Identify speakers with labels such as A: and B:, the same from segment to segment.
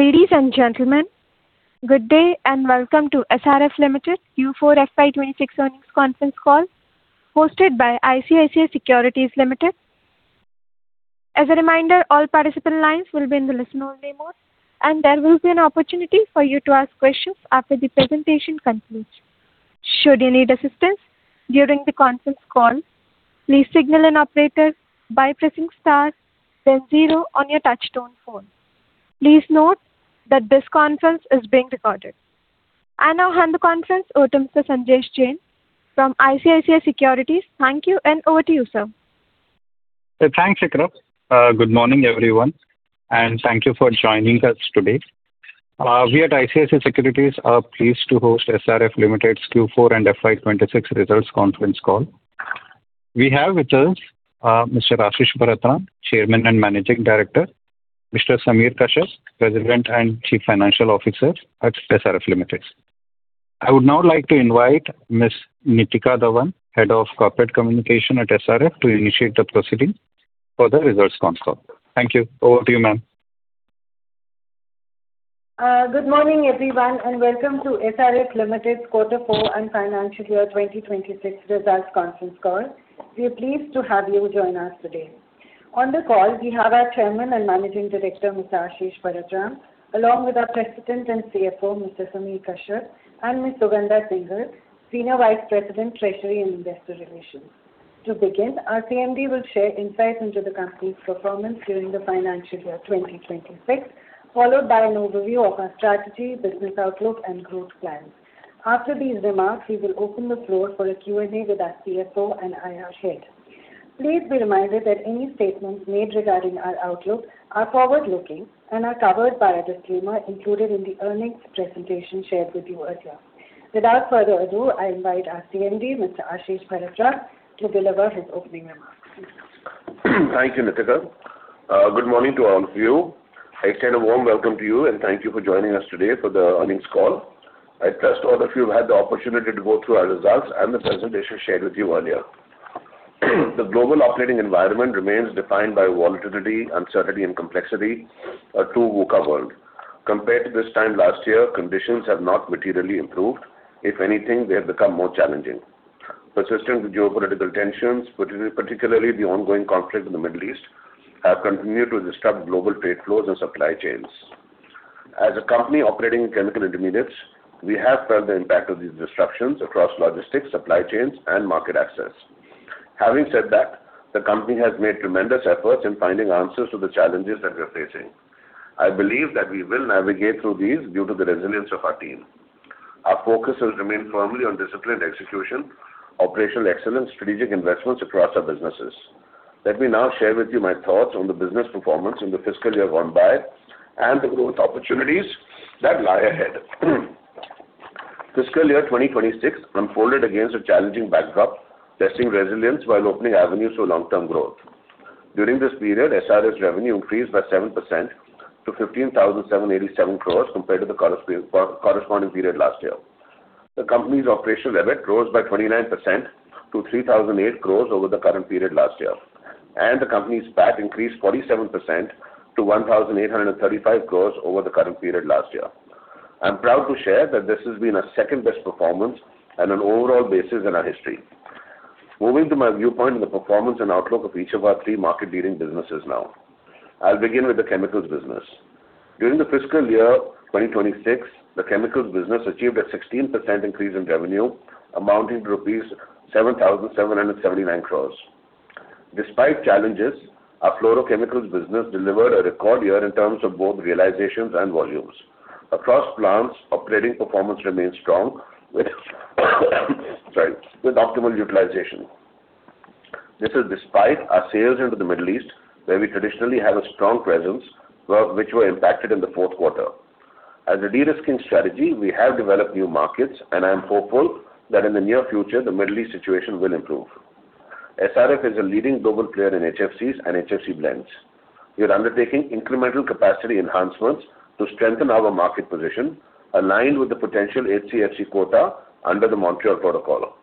A: Ladies and gentlemen, good day and welcome to SRF Limited Q4 FY 2026 earnings conference call hosted by ICICI Securities Limited. As a reminder, all participant lines will be in the listen-only mode, and there will be an opportunity for you to ask questions after the presentation concludes. Should you need assistance during the conference call, please signal an operator by pressing star then zero on your touchtone phone. Please note that this conference is being recorded. I now hand the conference over to Mr. Sanjesh Jain from ICICI Securities. Thank you, and over to you, sir.
B: Thanks, Ikrar. Good morning, everyone, and thank you for joining us today. We at ICICI Securities are pleased to host SRF Limited's Q4 and FY 2026 results conference call. We have with us Mr. Ashish Bharat Ram, Chairman and Managing Director; Mr. Samir Kashyap, President and Chief Financial Officer at SRF Limited. I would now like to invite Ms. Nitika Dhawan, Head of Corporate Communication at SRF, to initiate the proceedings for the results conference call. Thank you. Over to you, ma'am.
C: Good morning, everyone, and welcome to SRF Limited's quarter four and financial year 2026 results conference call. We are pleased to have you join us today. On the call, we have our Chairman and Managing Director, Mr. Ashish Bharat Ram, along with our President and CFO, Mr. Samir Kashyap, and Ms. Sugandha Singhal, Senior Vice President, Treasury and Investor Relations. To begin, our CMD will share insights into the company's performance during the financial year 2026, followed by an overview of our strategy, business outlook, and growth plans. After these remarks, we will open the floor for a Q&A with our CFO and IR head. Please be reminded that any statements made regarding our outlook are forward-looking and are covered by a disclaimer included in the earnings presentation shared with you earlier. Without further ado, I invite our CMD, Mr. Ashish Bharat Ram, to deliver his opening remarks. Please go on.
D: Thank you, Nitika. Good morning to all of you. I extend a warm welcome to you and thank you for joining us today for the earnings call. I trust all of you have had the opportunity to go through our results and the presentation shared with you earlier. The global operating environment remains defined by volatility, uncertainty, and complexity, a true VUCA world. Compared to this time last year, conditions have not materially improved. If anything, they have become more challenging. Persistent geopolitical tensions, particularly the ongoing conflict in the Middle East, have continued to disrupt global trade flows and supply chains. As a company operating in chemical intermediates, we have felt the impact of these disruptions across logistics, supply chains, and market access. Having said that, the company has made tremendous efforts in finding answers to the challenges that we're facing. I believe that we will navigate through these due to the resilience of our team. Our focus will remain firmly on disciplined execution, operational excellence, strategic investments across our businesses. Let me now share with you my thoughts on the business performance in the fiscal year gone by and the growth opportunities that lie ahead. Fiscal year 2026 unfolded against a challenging backdrop, testing resilience while opening avenues for long-term growth. During this period, SRF's revenue increased by 7% to 15,787 crores compared to the corresponding period last year. The company's operational EBIT rose by 29% to 3,008 crores over the current period last year, and the company's PAT increased 47% to 1,835 crores over the current period last year. I'm proud to share that this has been our second-best performance on an overall basis in our history. Moving to my viewpoint on the performance and outlook of each of our three market-leading businesses now. I'll begin with the chemicals business. During the fiscal year 2026, the chemicals business achieved a 16% increase in revenue, amounting to rupees 7,779 crores. Despite challenges, our fluorochemicals business delivered a record year in terms of both realizations and volumes. Across plants, operating performance remains strong with optimal utilization. This is despite our sales into the Middle East, where we traditionally have a strong presence, which were impacted in the fourth quarter. As a de-risking strategy, we have developed new markets. I am hopeful that in the near future, the Middle East situation will improve. SRF is a leading global player in HFCs and HFC blends. We are undertaking incremental capacity enhancements to strengthen our market position aligned with the potential HCFC quota under the Montreal Protocol.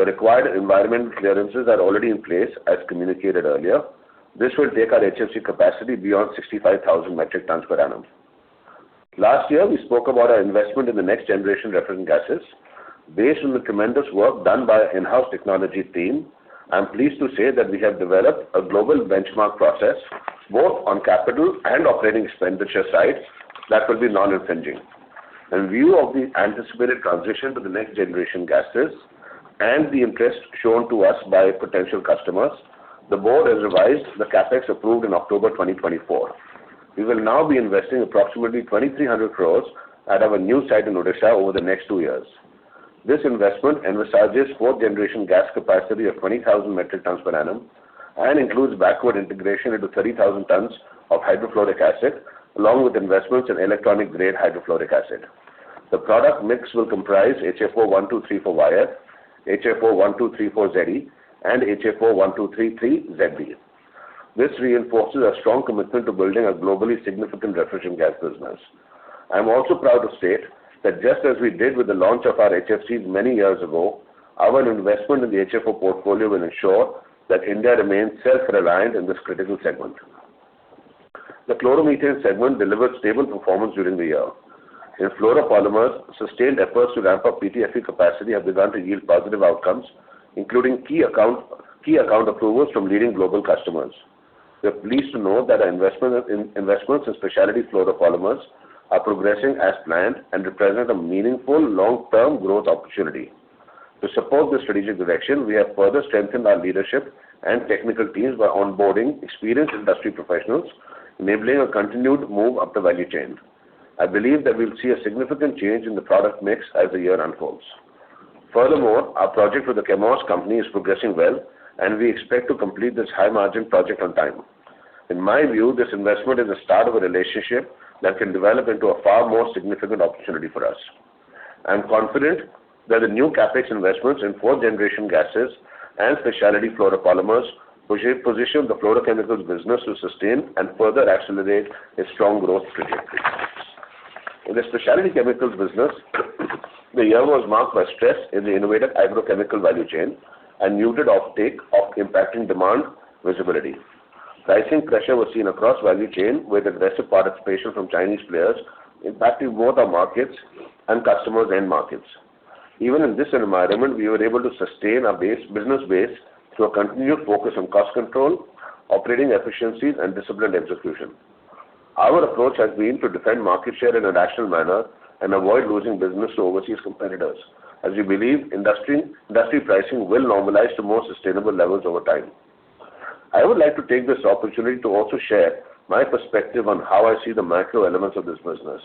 D: The required environmental clearances are already in place, as communicated earlier. This will take our HFC capacity beyond 65,000 metric tons per annum. Last year, we spoke about our investment in the next-generation refrigerant gases. Based on the tremendous work done by our in-house technology team, I'm pleased to say that we have developed a global benchmark process, both on capital and operating expenditure sides, that will be non-infringing. In view of the anticipated transition to the next-generation gases and the interest shown to us by potential customers, the board has revised the CapEx approved in October 2024. We will now be investing approximately 2,300 crores at our new site in Odisha over the next two years. This investment envisages 4th-generation gas capacity of 20,000 metric tons per annum and includes backward integration into 30,000 tons of hydrofluoric acid, along with investments in electronic-grade hydrofluoric acid. The product mix will comprise HFO-1234yf, HFO-1234ze, and HFO-1233ze. This reinforces our strong commitment to building a globally significant refrigerant gas business. I'm also proud to state that just as we did with the launch of our HFC many years ago, our investment in the HFO portfolio will ensure that India remains self-reliant in this critical segment. The chloromethane segment delivered stable performance during the year. In fluoropolymers, sustained efforts to ramp up PTFE capacity have begun to yield positive outcomes, including key account approvals from leading global customers. We are pleased to note that our investments in Specialty Chemicals are progressing as planned and represent a meaningful long-term growth opportunity. To support this strategic direction, we have further strengthened our leadership and technical teams by onboarding experienced industry professionals, enabling a continued move up the value chain. I believe that we'll see a significant change in the product mix as the year unfolds. Furthermore, our project with the Chemours company is progressing well, and we expect to complete this high-margin project on time. In my view, this investment is the start of a relationship that can develop into a far more significant opportunity for us. I am confident that the new CapEx investments in fourth generation gases and specialty fluoropolymers position the fluorochemicals business to sustain and further accelerate its strong growth trajectory. In the Specialty Chemicals business, the year was marked by stress in the innovative agrochemical value chain and muted offtake of impacting demand visibility. Pricing pressure was seen across value chain with aggressive participation from Chinese players impacting both our markets and customers' end markets. Even in this environment, we were able to sustain our business base through a continued focus on cost control, operating efficiencies, and disciplined execution. Our approach has been to defend market share in a rational manner and avoid losing business to overseas competitors, as we believe industry pricing will normalize to more sustainable levels over time. I would like to take this opportunity to also share my perspective on how I see the macro elements of this business.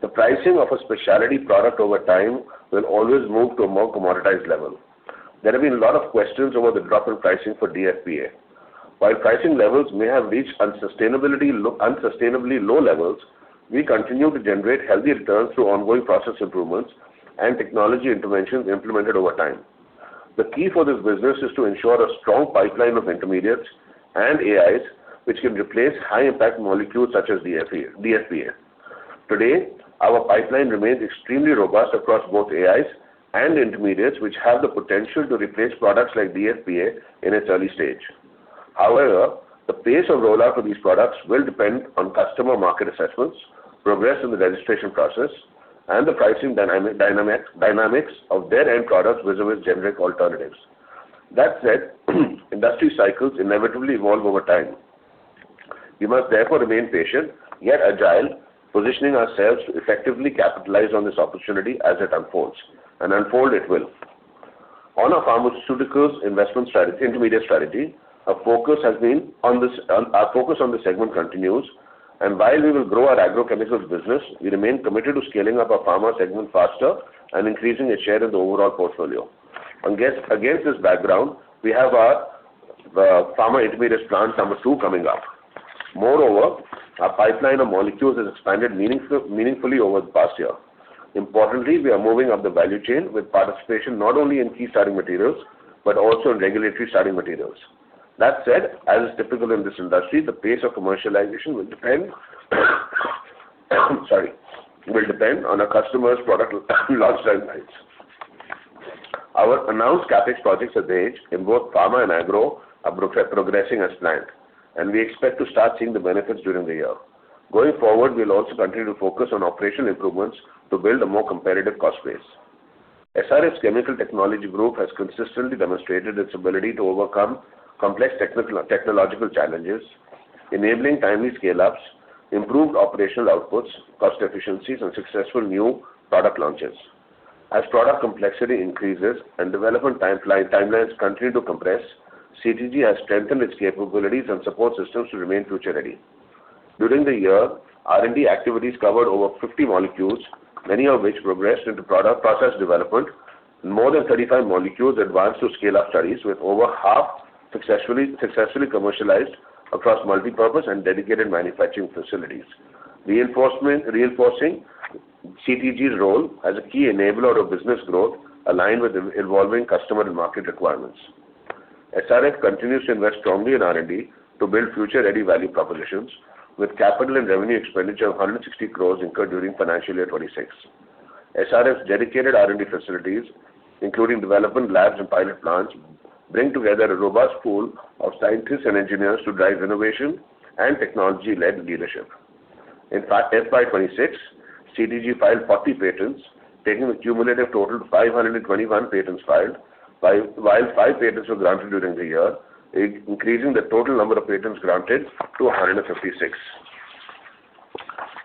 D: The pricing of a specialty product over time will always move to a more commoditized level. There have been a lot of questions over the drop in pricing for DFPA. While pricing levels may have reached unsustainably low levels, we continue to generate healthy returns through ongoing process improvements and technology interventions implemented over time. The key for this business is to ensure a strong pipeline of intermediates and AIs, which can replace high-impact molecules such as DFPA. Today, our pipeline remains extremely robust across both AIs and intermediates, which have the potential to replace products like DFPA in its early stage. However, the pace of rollout for these products will depend on customer market assessments, progress in the registration process, and the pricing dynamics of their end products vis-à-vis generic alternatives. That said, industry cycles inevitably evolve over time. We must therefore remain patient, yet agile, positioning ourselves to effectively capitalize on this opportunity as it unfolds, and unfold it will. On our pharmaceuticals investment strategy, intermediate strategy, our focus on this segment continues. While we will grow our agrochemicals business, we remain committed to scaling up our pharma segment faster and increasing its share in the overall portfolio. Against this background, we have our pharma intermediates plant number two coming up. Moreover, our pipeline of molecules has expanded meaningfully over the past year. Importantly, we are moving up the value chain with participation not only in key starting materials but also in regulatory starting materials. That said, as is typical in this industry, the pace of commercialization will depend on our customers' product launch timelines. Our announced CapEx projects at Dahej in both pharma and agro are progressing as planned, and we expect to start seeing the benefits during the year. We'll also continue to focus on operational improvements to build a more competitive cost base. SRF Chemical Technology Group has consistently demonstrated its ability to overcome complex technological challenges, enabling timely scale-ups, improved operational outputs, cost efficiencies, and successful new product launches. As product complexity increases and development timelines continue to compress, CTG has strengthened its capabilities and support systems to remain future-ready. During the year, R&D activities covered over 50 molecules, many of which progressed into product process development. More than 35 molecules advanced to scale-up studies, with over half successfully commercialized across multipurpose and dedicated manufacturing facilities. Reinforcing CTG's role as a key enabler of business growth aligned with evolving customer and market requirements. SRF continues to invest strongly in R&D to build future-ready value propositions, with capital and revenue expenditure of 160 crores incurred during financial year 2026. SRF's dedicated R&D facilities, including development labs and pilot plants, bring together a robust pool of scientists and engineers to drive innovation and technology-led leadership. In fact, FY 2026, CTG filed 40 patents, taking the cumulative total to 521 patents filed, while five patents were granted during the year, increasing the total number of patents granted to 156.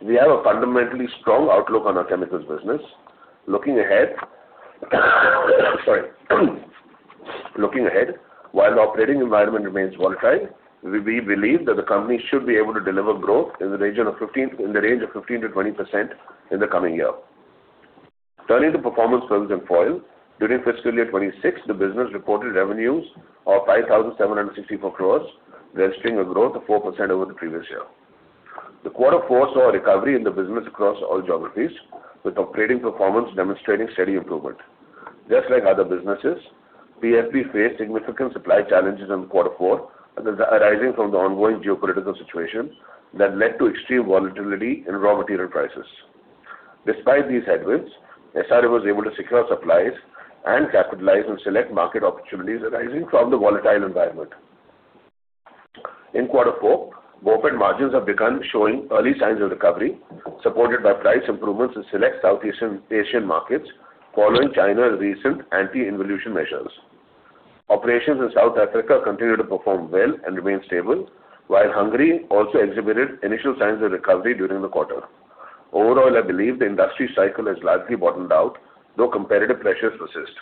D: We have a fundamentally strong outlook on our chemicals business. Looking ahead, while the operating environment remains volatile, we believe that the company should be able to deliver growth in the range of 15%-20% in the coming year. Turning to Performance Films and Foils, during fiscal year 2026, the business reported revenues of 5,764 crores, registering a growth of 4% over the previous year. The quarter four saw a recovery in the business across all geographies, with operating performance demonstrating steady improvement. Just like other businesses, PFB faced significant supply challenges in quarter four, arising from the ongoing geopolitical situation that led to extreme volatility in raw material prices. Despite these headwinds, SRF was able to secure supplies and capitalize on select market opportunities arising from the volatile environment. In quarter four, BOPET margins have begun showing early signs of recovery, supported by price improvements in select South Asian markets following China's recent anti-involution measures. Operations in South Africa continue to perform well and remain stable, while Hungary also exhibited initial signs of recovery during the quarter. Overall, I believe the industry cycle has largely bottomed out, though competitive pressures persist.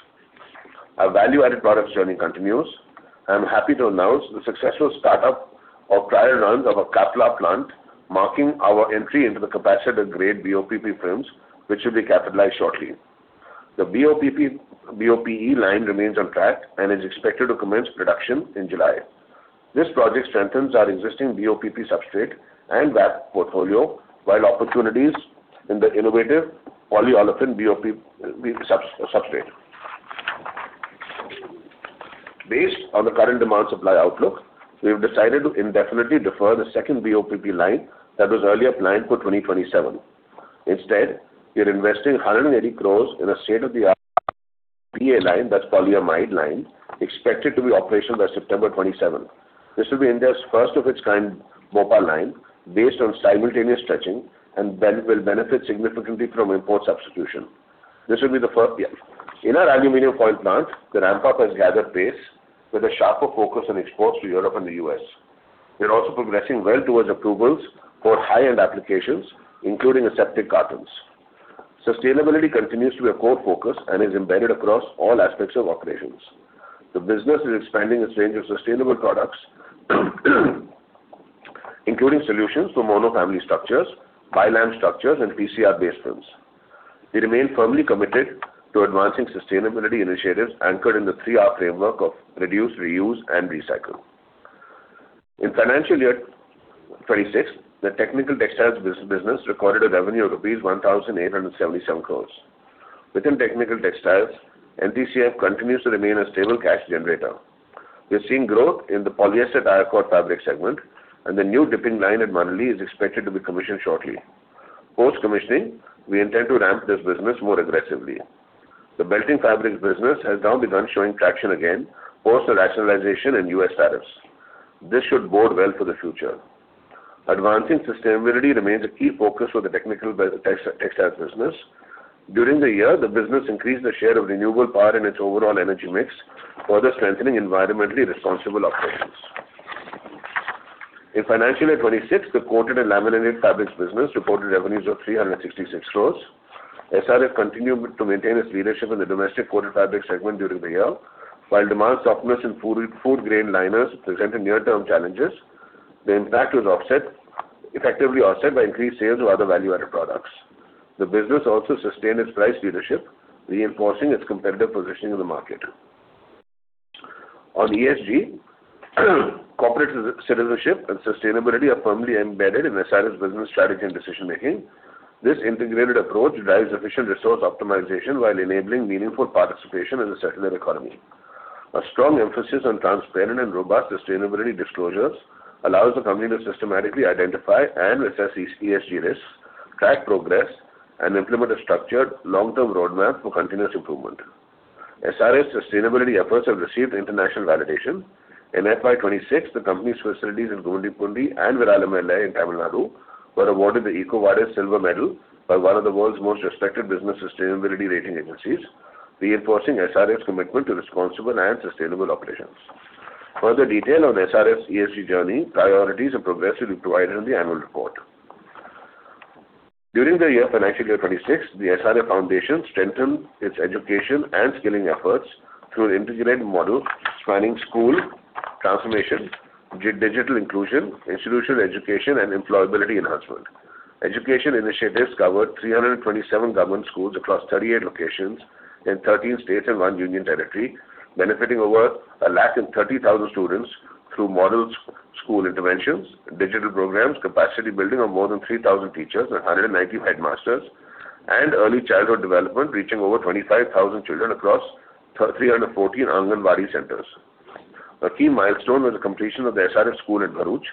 D: Our value-added products journey continues. I'm happy to announce the successful startup of trial runs of our KAPLAR plant, marking our entry into the capacitor-grade BOPP films, which will be capitalized shortly. The BOPE line remains on track and is expected to commence production in July. This project strengthens our existing BOPP substrate and VAP portfolio, while opportunities in the innovative polyolefin BOP substrate. Based on the current demand-supply outlook, we have decided to indefinitely defer the second BOPP line that was earlier planned for 2027. Instead, we are investing 180 crore in a state-of-the-art PA line, that's polyamide line, expected to be operational by September 2027. This will be India's first-of-its-kind BOPA line based on simultaneous stretching and will benefit significantly from import substitution. In our aluminum foil plant, the ramp-up has gathered pace with a sharper focus on exports to Europe and the U.S. We are also progressing well towards approvals for high-end applications, including aseptic cartons. Sustainability continues to be a core focus and is embedded across all aspects of operations. The business is expanding its range of sustainable products, including solutions for mono-material structures, bi-lam structures, and PCR-based films. We remain firmly committed to advancing sustainability initiatives anchored in the 3R framework of reduce, reuse, and recycle. In FY 2026, the technical textiles business recorded a revenue of rupees 1,877 crore. Within technical textiles, NTCF continues to remain a stable cash generator. We are seeing growth in the polyester tyrecord fabric segment, and the new dipping line at Manali is expected to be commissioned shortly. Post-commissioning, we intend to ramp this business more aggressively. The belting fabrics business has now begun showing traction again, post the rationalization in U.S. tariffs. This should bode well for the future. Advancing sustainability remains a key focus for the technical textiles business. During the year, the business increased the share of renewable power in its overall energy mix, further strengthening environmentally responsible operations. In financial year 2026, the coated and laminated fabrics business reported revenues of 366 crores. SRF continued to maintain its leadership in the domestic coated fabrics segment during the year. While demand softness in food grain liners presented near-term challenges, the impact was effectively offset by increased sales of other value-added products. The business also sustained its price leadership, reinforcing its competitive positioning in the market. On ESG, corporate citizenship and sustainability are firmly embedded in SRF's business strategy and decision-making. This integrated approach drives efficient resource optimization while enabling meaningful participation in the circular economy. A strong emphasis on transparent and robust sustainability disclosures allows the company to systematically identify and assess ESG risks, track progress, and implement a structured long-term roadmap for continuous improvement. SRF's sustainability efforts have received international validation. In FY 2026, the company's facilities in Gummidipoondi and Viralimalai in Tamil Nadu were awarded the EcoVadis Silver Medal by one of the world's most respected business sustainability rating agencies, reinforcing SRF's commitment to responsible and sustainable operations. Further detail on SRF's ESG journey, priorities, and progress will be provided in the annual report. During the financial year 2026, the SRF Foundation strengthened its education and skilling efforts through an integrated model spanning school transformation, digital inclusion, institutional education, and employability enhancement. Education initiatives covered 327 government schools across 38 locations in 13 states and one union territory, benefiting over 130,000 students through model school interventions, digital programs, capacity building of more than 3,000 teachers and 190 headmasters, and early childhood development reaching over 25,000 children across 314 Anganwadi centers. A key milestone was the completion of The SRF School at Bharuch,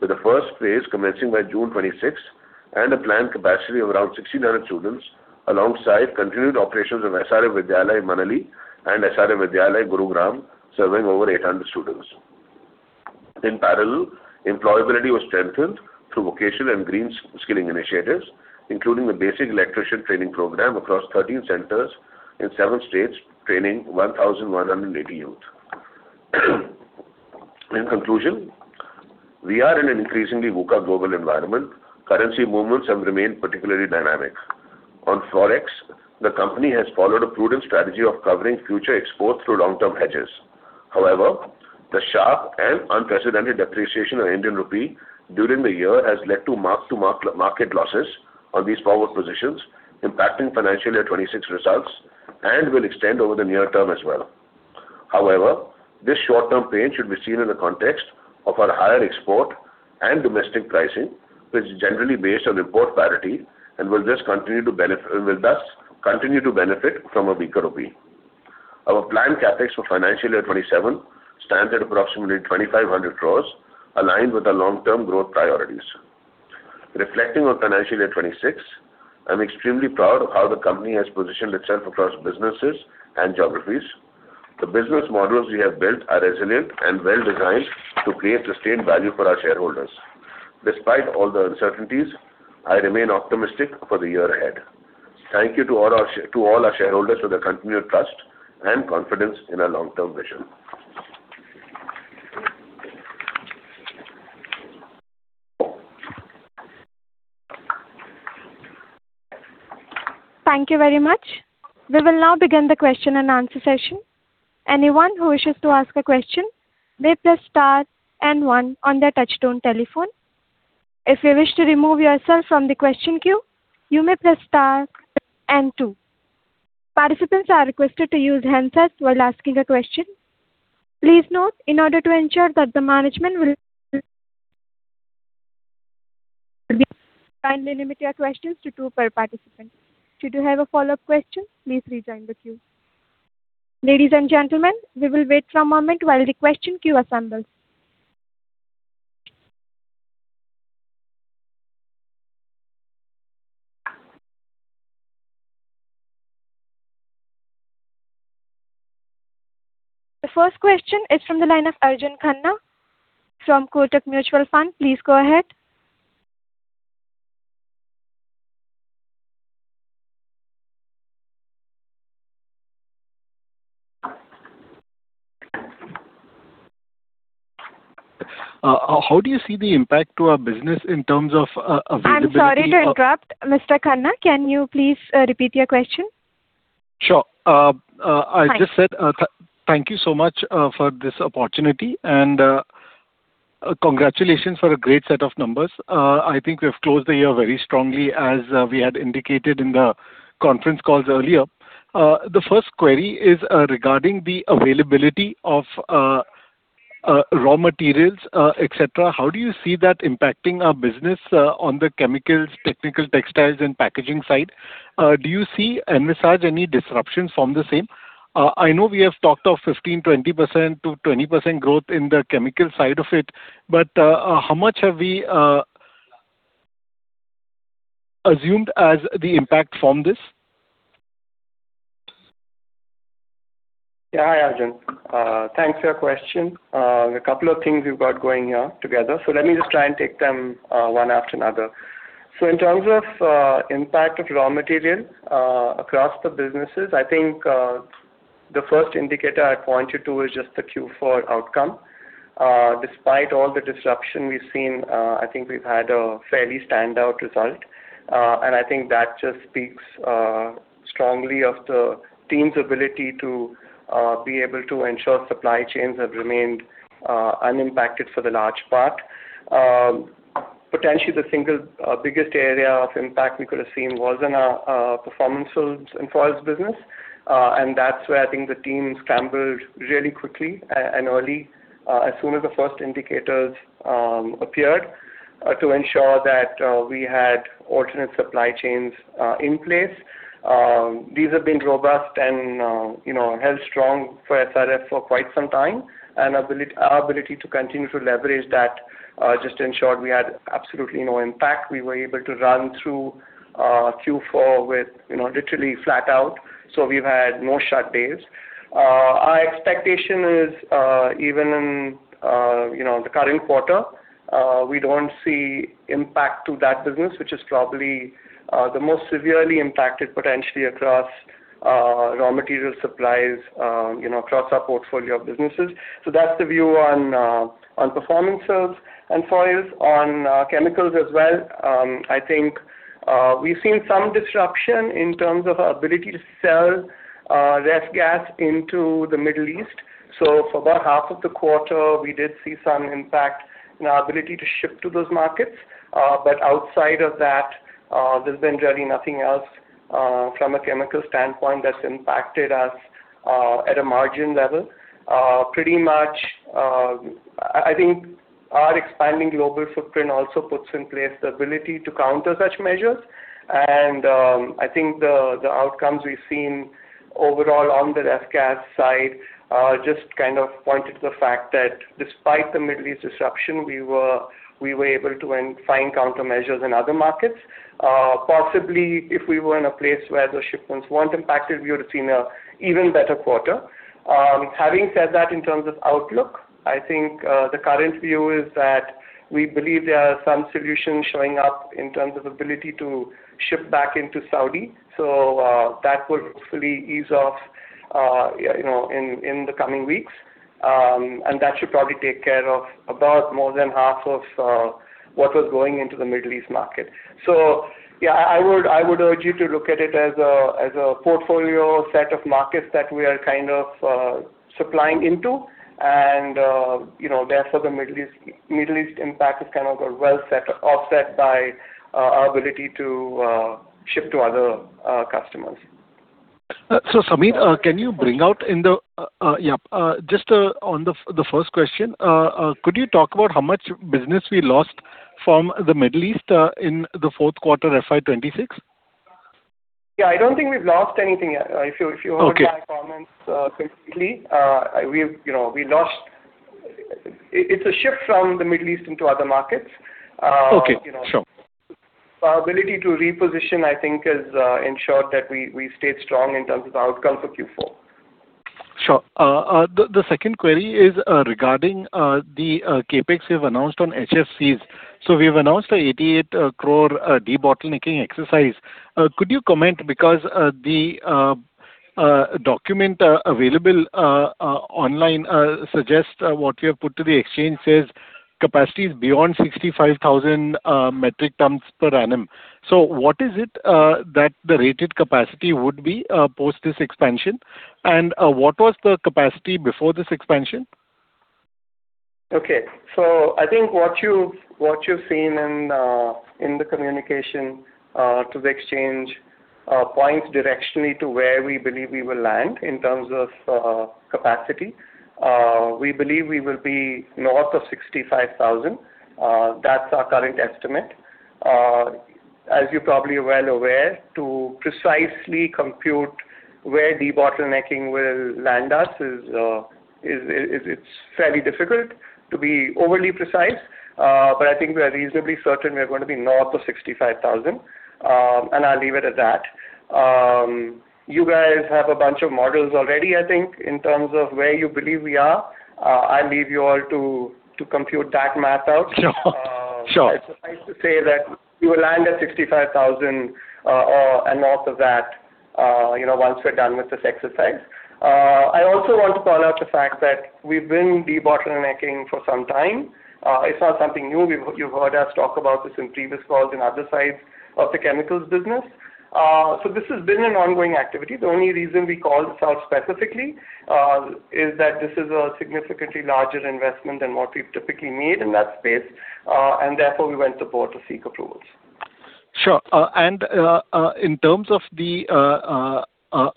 D: with the first phase commencing by June 26 and a planned capacity of around 1,600 students alongside continued operations of SRF Vidyalaya, Manali and SRF Vidyalaya, Gurugram, serving over 800 students. In parallel, employability was strengthened through vocational and green skilling initiatives, including the basic electrician training program across 13 centers in seven states, training 1,180 youth. In conclusion, we are in an increasingly woke-up global environment. Currency movements have remained particularly dynamic. On forex, the company has followed a prudent strategy of covering future exports through long-term hedges. However, the sharp and unprecedented depreciation of Indian rupee during the year has led to mark-to-market losses on these forward positions, impacting financial year 2026 results and will extend over the near term as well. However, this short-term pain should be seen in the context of our higher export and domestic pricing, which is generally based on import parity and will thus continue to benefit from a weaker rupee. Our planned CapEx for financial year 2027 stands at approximately 2,500 crores, aligned with our long-term growth priorities. Reflecting on financial year 2026, I'm extremely proud of how the company has positioned itself across businesses and geographies. The business models we have built are resilient and well-designed to create sustained value for our shareholders. Despite all the uncertainties, I remain optimistic for the year ahead. Thank you to all our shareholders for their continued trust and confidence in our long-term vision.
A: Thank you very much. We will now begin the question and answer session. Anyone who wishes to ask a question may press star and one on their touchtone telephone. If you wish to remove yourself from the question queue, you may press star and two. Participants are requested to use handsets while asking a question. Please note, in order to ensure that the management will... Kindly limit your questions to two per participant. Should you have a follow-up question, please rejoin the queue. Ladies and gentlemen, we will wait for a moment while the question queue assembles. The first question is from the line of Arjun Khanna from Kotak Mutual Fund. Please go ahead.
E: How do you see the impact to our business in terms of availability?
A: I'm sorry to interrupt, Mr. Khanna. Can you please repeat your question?
E: Sure. I just said, thank you so much for this opportunity and, congratulations for a great set of numbers. I think we have closed the year very strongly as, we had indicated in the conference calls earlier. The first query is regarding the availability of raw materials, et cetera. How do you see that impacting our business, on the chemicals, technical textiles, and packaging side? Do you see, envisage any disruptions from the same? I know we have talked of 15%-20% growth in the chemical side of it, but how much have we assumed as the impact from this?
F: Yeah. Hi, Arjun. Thanks for your question. There are a couple of things we've got going here together. Let me just try and take them one after another. In terms of impact of raw material across the businesses, I think the first indicator I'd point you to is just the Q4 outcome. Despite all the disruption we've seen, I think we've had a fairly standout result. I think that just speaks strongly of the team's ability to be able to ensure supply chains have remained unimpacted for the large part. Potentially, the single biggest area of impact we could have seen was in our Performance Films and Foils Business. That's where I think the team scrambled really quickly and early, as soon as the first indicators appeared, to ensure that we had alternate supply chains in place. These have been robust and, you know, held strong for SRF for quite some time. Our ability to continue to leverage that just ensured we had absolutely no impact. We were able to run through Q4 with, you know, literally flat out. We've had no shut days. Our expectation is even in the current quarter, we don't see impact to that business, which is probably the most severely impacted potentially across raw material supplies, across our portfolio of businesses. That's the view on Performance Films and Foils. On chemicals as well, I think we've seen some disruption in terms of our ability to sell ref gas into the Middle East. For about half of the quarter, we did see some impact in our ability to ship to those markets. But outside of that, there's been really nothing else from a chemical standpoint that's impacted us at a margin level. Pretty much, I think our expanding global footprint also puts in place the ability to counter such measures. I think the outcomes we've seen overall on the ref gas side just kind of pointed to the fact that, despite the Middle East disruption, we were able to find countermeasures in other markets. Possibly if we were in a place where those shipments weren't impacted, we would have seen a even better quarter. Having said that, in terms of outlook, I think the current view is that we believe there are some solutions showing up in terms of ability to ship back into Saudi. That would hopefully ease off, you know, in the coming weeks. That should probably take care of about more than half of what was going into the Middle East market. I would urge you to look at it as a portfolio set of markets that we are kind of supplying into. You know, therefore, the Middle East impact is kind of offset by our ability to ship to other customers.
E: Samir, can you bring out in the, just on the first question, could you talk about how much business we lost from the Middle East, in the fourth quarter FY 2026?
F: Yeah, I don't think we've lost anything.
E: Okay.
F: I heard my comments completely. It's a shift from the Middle East into other markets.
E: Okay. Sure.
F: You know. Our ability to reposition, I think, has ensured that we stayed strong in terms of the outcome for Q4.
E: Sure. The second query is regarding the CapEx you've announced on HFCs. We've announced a 88 crore debottlenecking exercise. Could you comment because the document available online suggests what you have put to the exchange says capacity is beyond 65,000 metric tons per annum. What is it that the rated capacity would be post this expansion? And what was the capacity before this expansion?
F: I think what you've seen in the communication to the exchange points directionally to where we believe we will land in terms of capacity. We believe we will be north of 65,000. That's our current estimate. As you're probably well aware, to precisely compute where debottlenecking will land us, it's fairly difficult to be overly precise, but I think we are reasonably certain we are gonna be north of 65,000. I'll leave it at that. You guys have a bunch of models already, I think, in terms of where you believe we are. I'll leave you all to compute that math out.
E: Sure.
F: It's suffice to say that we will land at 65,000, or north of that, you know, once we're done with this exercise. I also want to call out the fact that we've been debottlenecking for some time. It's not something new. You've heard us talk about this in previous calls in other sides of the chemicals business. This has been an ongoing activity. The only reason we called this out specifically is that this is a significantly larger investment than what we've typically made in that space, and therefore, we went to board to seek approvals.
E: Sure. In terms of the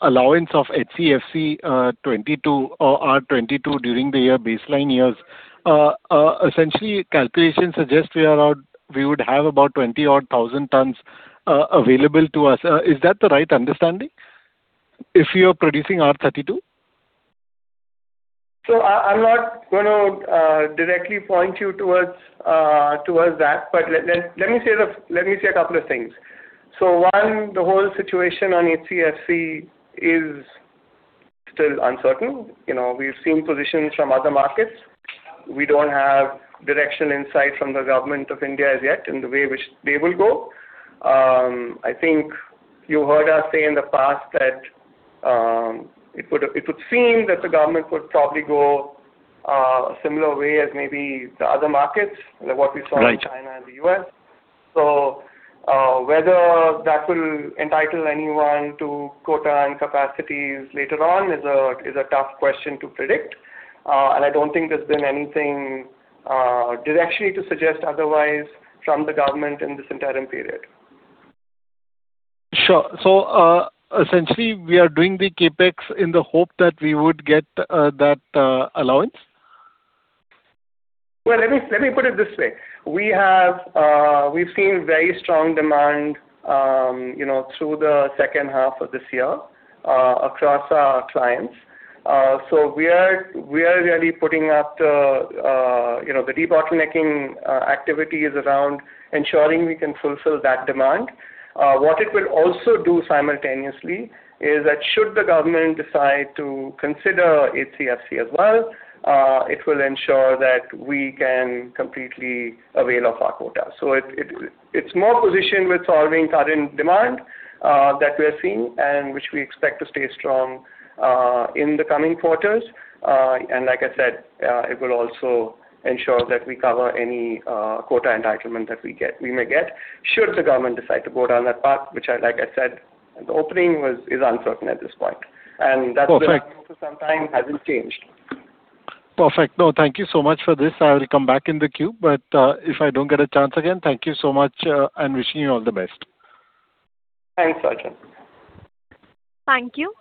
E: allowance of HCFC-22 or R22 during the baseline years, calculations suggest we would have about 20 odd thousand tons available to us. Is that the right understanding if you're producing R32?
F: I'm not gonna directly point you towards that. Let me say a couple of things. One, the whole situation on HCFC is still uncertain. You know, we've seen positions from other markets. We don't have direction insight from the Government of India as yet in the way which they will go. I think you heard us say in the past that it would seem that the government would probably go a similar way as maybe the other markets, you know, what we saw in China and the U.S. Whether that will entitle anyone to quota and capacities later on is a tough question to predict. I don't think there's been anything directionally to suggest otherwise from the government in this interim period.
E: Sure. Essentially, we are doing the CapEx in the hope that we would get, that, allowance?
F: Well, let me put it this way. We have, we've seen very strong demand, you know, through the second half of this year, across our clients. We are really putting out, you know, the debottlenecking activities around ensuring we can fulfill that demand. What it will also do simultaneously is that should the Government decide to consider HCFC as well, it will ensure that we can completely avail of our quota. It's more positioned with solving current demand that we're seeing and which we expect to stay strong in the coming quarters. Like I said, it will also ensure that we cover any quota entitlement that we get, we may get, should the Government decide to go down that path, which I, like I said at the opening, is uncertain at this point.
E: Perfect.
F: What, for some time, hasn't changed.
E: Perfect. No, thank you so much for this. I will come back in the queue, but if I don't get a chance again, thank you so much, and wishing you all the best.
F: Thanks, Arjun.
A: Thank you.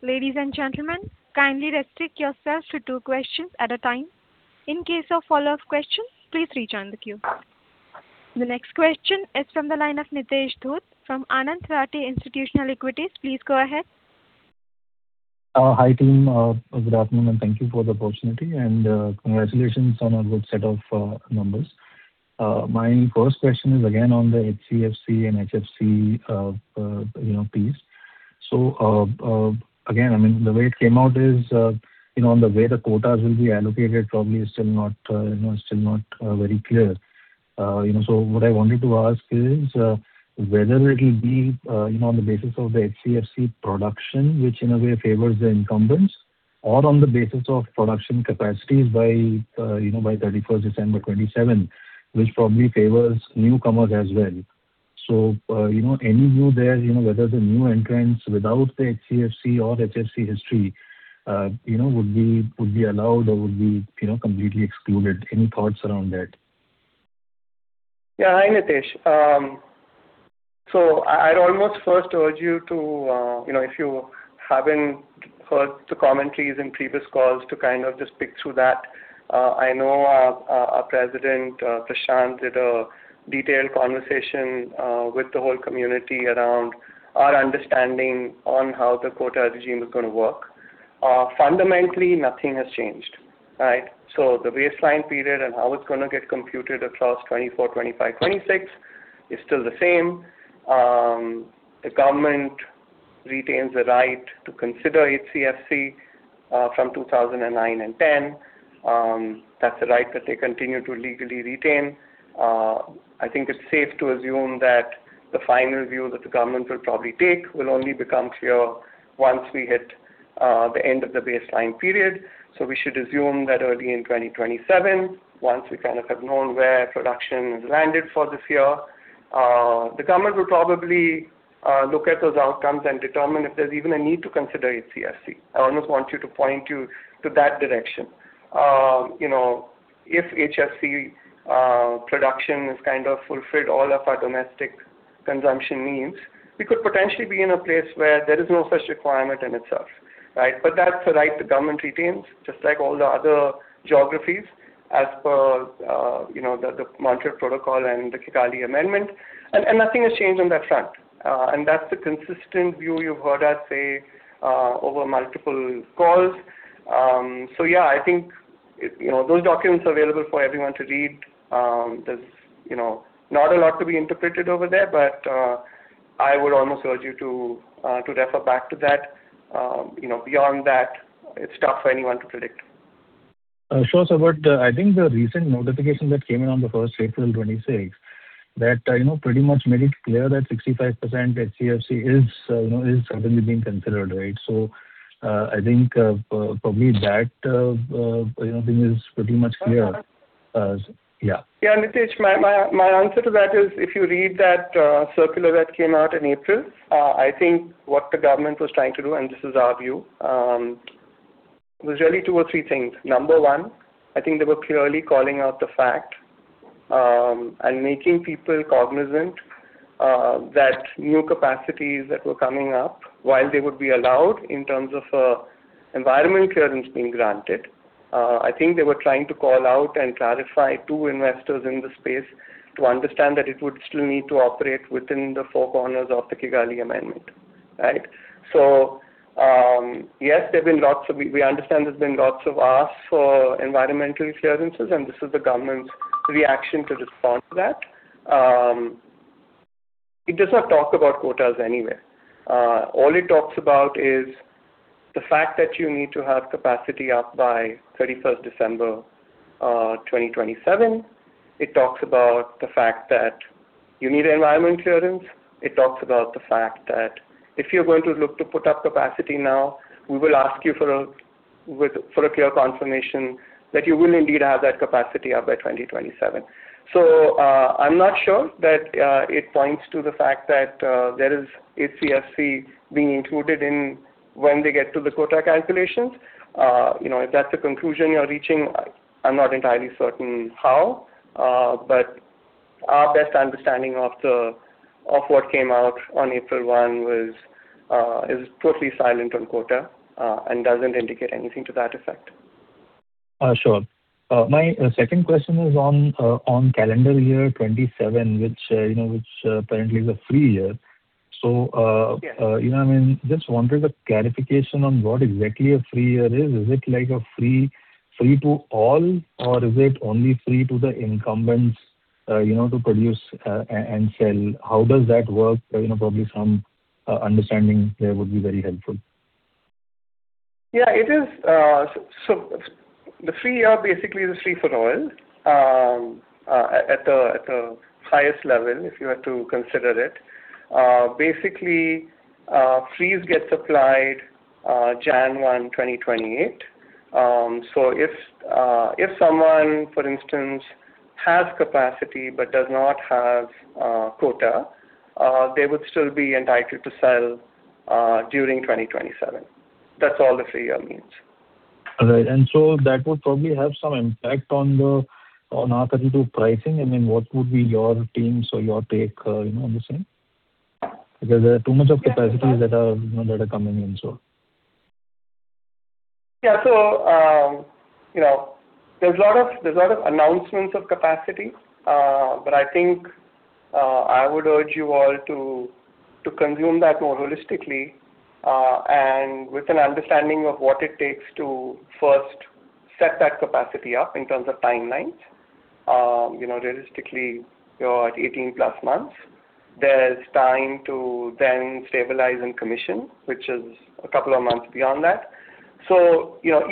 A: Ladies and gentlemen, kindly restrict yourselves to two questions at a time. In case of follow-up questions, please rejoin the queue. The next question is from the line of Nitesh Dhoot from Anand Rathi Institutional Equities. Please go ahead.
G: Hi, team. Good afternoon, and thank you for the opportunity and congratulations on a good set of numbers. My first question is again on the HCFC and HFC, you know, piece. Again, I mean, the way it came out is, you know, on the way the quotas will be allocated, probably is still not, you know, still not very clear. You know, what I wanted to ask is, whether it'll be, you know, on the basis of the HCFC production, which in a way favors the incumbents, or on the basis of production capacities by, you know, by 31st December 2027, which probably favors newcomers as well. You know, any view there, you know, whether the new entrants without the HCFC or HFC history, you know, would be allowed or would be, you know, completely excluded? Any thoughts around that?
F: Yeah. Hi, Nitesh. I'd almost first urge you to, you know, if you haven't heard the commentaries in previous calls to kind of just pick through that. I know our president, Prashant, did a detailed conversation with the whole community around our understanding on how the quota regime is gonna work. Fundamentally, nothing has changed, right? The baseline period and how it's gonna get computed across 2024, 2025, 2026 is still the same. The Government retains the right to consider HCFC from 2009 and 2010. That's a right that they continue to legally retain. I think it's safe to assume that the final view that the Government will probably take will only become clear once we hit the end of the baseline period. We should assume that early in 2027, once we have known where production has landed for this year, the government will probably look at those outcomes and determine if there's even a need to consider HCFC. I almost want you to point you to that direction. You know, if HCFC production has fulfilled all of our domestic consumption needs, we could potentially be in a place where there is no such requirement in itself, right? That's the right the government retains, just like all the other geographies, as per, you know, the Montreal Protocol and the Kigali Amendment. Nothing has changed on that front. That's the consistent view you've heard us say over multiple calls. Yeah, I think, you know, those documents are available for everyone to read. There's, you know, not a lot to be interpreted over there, but I would almost urge you to refer back to that. You know, beyond that, it's tough for anyone to predict.
G: Sure, sir. I think the recent notification that came in on the 1st April 2026, that, you know, pretty much made it clear that 65% HCFC is, you know, is certainly being considered, right? I think, probably that, you know, thing is pretty much clear. Yeah.
F: Yeah, Nitesh, my answer to that is if you read that circular that came out in April, I think what the government was trying to do, and this is our view, there's really two or three things. Number one, I think they were clearly calling out the fact, and making people cognizant, that new capacities that were coming up, while they would be allowed in terms of environment clearance being granted, I think they were trying to call out and clarify to investors in the space to understand that it would still need to operate within the four corners of the Kigali Amendment, right? Yes, there have been lots of-- We understand there's been lots of asks for environmental clearances, and this is the government's reaction to respond to that. It does not talk about quotas anywhere. All it talks about is the fact that you need to have capacity up by 31st December, 2027. It talks about the fact that you need environment clearance. It talks about the fact that if you're going to look to put up capacity now, we will ask you for a clear confirmation that you will indeed have that capacity up by 2027. I'm not sure that it points to the fact that there is HCFC being included in when they get to the quota calculations. You know, if that's the conclusion you're reaching, I'm not entirely certain how. Our best understanding of what came out on April 1 was, is totally silent on quota and doesn't indicate anything to that effect.
G: Sure. My second question is on calendar year 2027, which, you know, which apparently is a free year.
F: Yeah.
G: You know what I mean? Just wondering the clarification on what exactly a free year is. Is it like a free to all, or is it only free to the incumbents, you know, to produce and sell? How does that work? You know, probably some understanding there would be very helpful.
F: The free year basically is a free-for-all at the highest level, if you were to consider it. Basically, frees' get supplied January 1, 2028. If someone, for instance, has capacity but does not have quota, they would still be entitled to sell during 2027. That's all the free year means.
G: All right. That would probably have some impact on our R32 pricing. I mean, what would be your teams or your take, you know, on this thing? There are too much of capacities that are, you know, that are coming in.
F: Yeah. You know, there's a lot of announcements of capacity. I think I would urge you all to consume that more holistically, with an understanding of what it takes to first set that capacity up in terms of timelines. You know, realistically, you're at 18+ months. There's time to then stabilize and commission, which is two months beyond that. You know,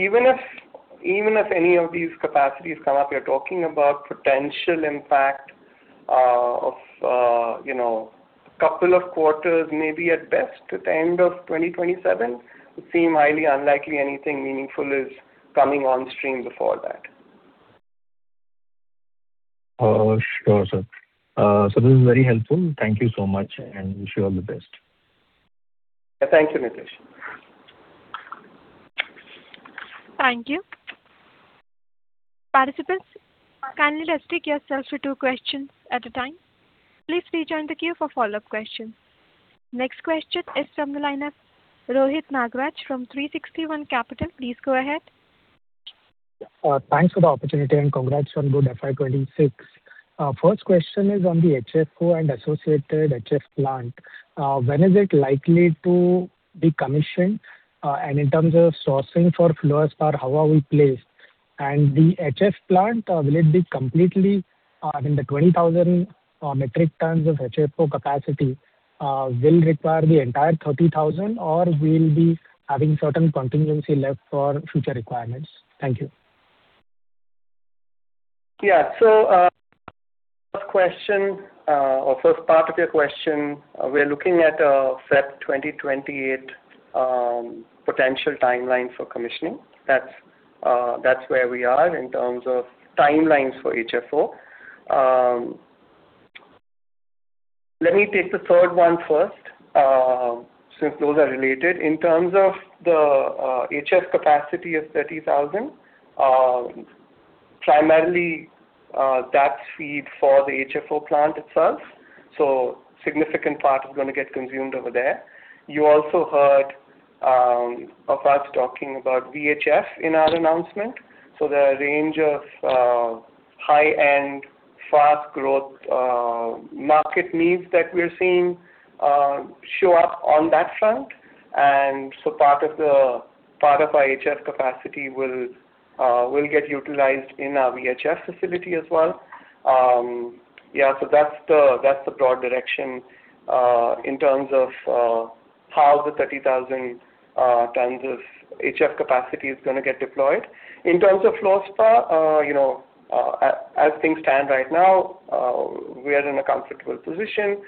F: even if any of these capacities come up, you're talking about potential impact, of, you know, two quarters, maybe at best, at the end of 2027. It seem highly unlikely anything meaningful is coming on stream before that.
G: Sure, sir. This is very helpful. Thank you so much, and wish you all the best.
F: Thank you, Nitesh.
A: Thank you. Participants, kindly restrict yourselves to two questions at a time. Please rejoin the queue for follow-up questions. Next question is from the line of Rohit Nagraj from 360 ONE Capital. Please go ahead.
H: Thanks for the opportunity and congrats on good FY 2026. First question is on the HFO and associated HF plant. When is it likely to be commissioned? In terms of sourcing for fluorspar, how are we placed? The HF plant, will it be completely, I mean, the 20,000 metric tons of HFO capacity, will require the entire 30,000, or we'll be having certain contingency left for future requirements? Thank you.
F: Yeah. First question, or first part of your question, we are looking at a Feb 2028 potential timeline for commissioning. That's, that's where we are in terms of timelines for HFO. Let me take the third one first, since those are related. In terms of the HF capacity of 30,000, primarily, that's feed for the HFO plant itself, so significant part is gonna get consumed over there. You also heard of us talking about VHF in our announcement. There are a range of high-end fast-growth market needs that we're seeing show up on that front. Part of our HF capacity will get utilized in our VHF facility as well. That's the, that's the broad direction in terms of how the 30,000 tons of HF capacity is gonna get deployed. In terms of fluorspar, you know, as things stand right now, we are in a comfortable position.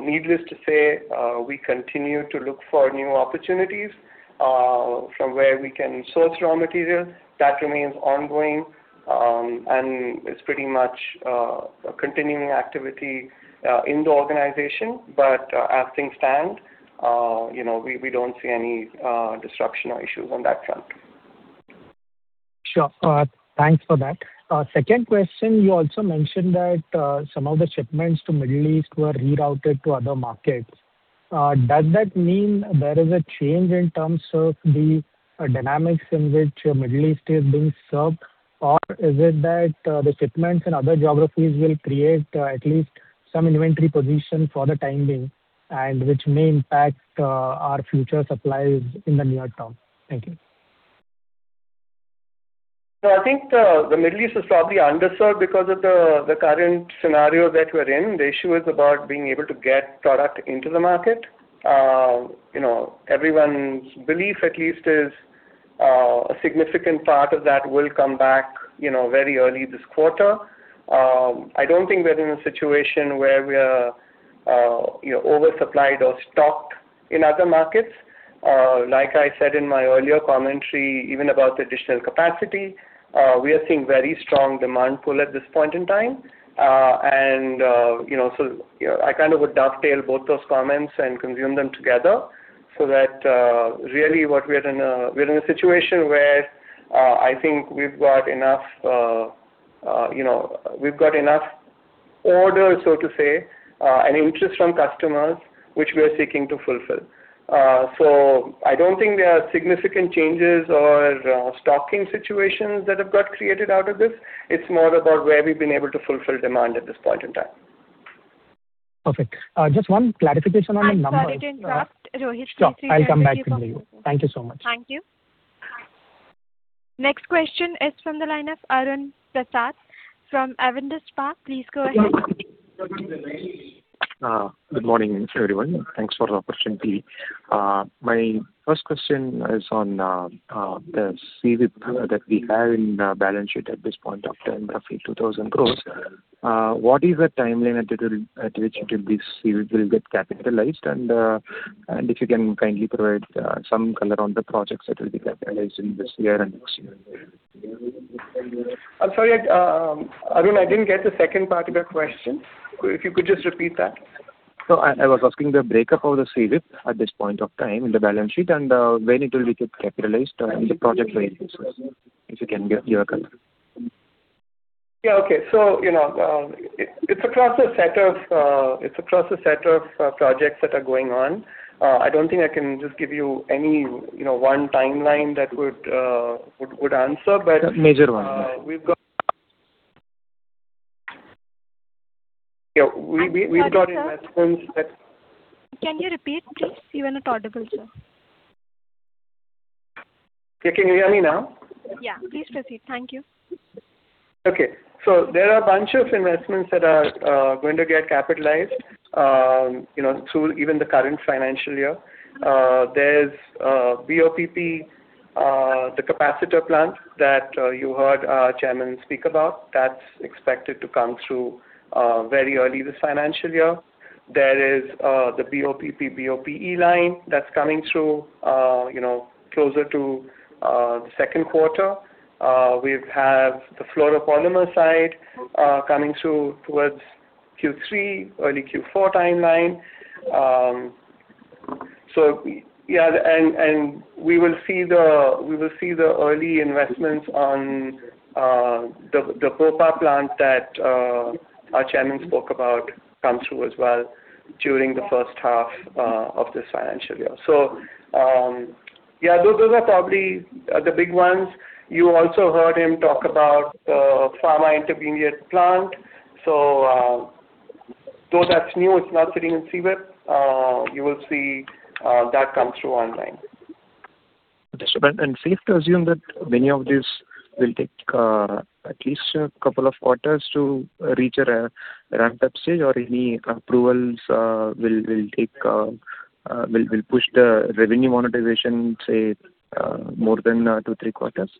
F: Needless to say, we continue to look for new opportunities from where we can source raw materials. That remains ongoing; it's pretty much a continuing activity in the organization. As things stand, you know, we don't see any disruption or issues on that front.
H: Sure. Thanks for that. Second question, you also mentioned that some of the shipments to Middle East were rerouted to other markets. Does that mean there is a change in terms of the dynamics in which Middle East is being served, or is it that the shipments in other geographies will create at least some inventory position for the time being and which may impact our future supplies in the near term? Thank you.
F: No, I think the Middle East is probably underserved because of the current scenario that we're in. The issue is about being able to get product into the market. You know, everyone's belief at least is, a significant part of that will come back, you know, very early this quarter. I don't think we're in a situation where we are, you know, oversupplied or stocked in other markets. Like I said in my earlier commentary, even about the additional capacity, we are seeing very strong demand pull at this point in time. You know, you know, I kind of would dovetail both those comments and consume them together so that really what we are in a situation where I think we've got enough, you know, we've got enough orders, so to say, and interest from customers which we are seeking to fulfill. I don't think there are significant changes or stocking situations that have got created out of this. It's more about where we've been able to fulfill demand at this point in time.
H: Perfect. Just one clarification on the numbers.
A: I'm sorry to interrupt, Rohit. Please rejoin the queue.
H: Sure. I'll come back in the queue. Thank you so much.
A: Thank you. Next question is from the line of Arun Prasath from Avendus Spark. Please go ahead.
I: Good morning, everyone. Thanks for the opportunity. My first question is on the CWIP that we have in the balance sheet at this point of time, roughly 2,000 crores. What is the timeline at which CWIP will get capitalized? If you can kindly provide some color on the projects that will be capitalized in this year and next year.
F: I'm sorry, Arun, I didn't get the second part of your question. If you could just repeat that.
I: I was asking the breakup of the CWIP at this point of time in the balance sheet and when it will get capitalized and the project readiness, if you can give your color.
F: Yeah, okay. You know, it's across a set of projects that are going on. I don't think I can just give you any, you know, one timeline that would answer.
I: A major one.
F: We've got investments that-
A: Can you repeat, please? You are not audible, sir.
F: Can you hear me now?
A: Yeah, please proceed. Thank you.
F: Okay. There are a bunch of investments that are going to get capitalized, you know, through even the current financial year. There's BOPP, the capacitor plant that you heard our Chairman speak about. That's expected to come through very early this financial year. There is the BOPP-BOPE line that's coming through, you know, closer to the second quarter. We've have the fluoropolymer side coming through towards Q3, early Q4 timeline. And we will see the early investments on the BOPA plant that our Chairman spoke about come through as well during the first half of this financial year. Those are probably the big ones. You also heard him talk about the pharma intermediate plant. Though that's new, it's not sitting in CWIP. You will see that come through online.
I: Safe to assume that many of these will take at least a couple of quarters to reach a ramp-up stage, or any approvals will take will push the revenue monetization, say, more than two, three quarters?